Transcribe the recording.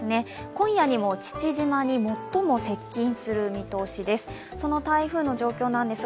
今夜にも父島に最も接近する見通しです。